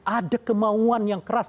ada kemauan yang keras